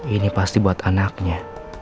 ini pasti buat anaknya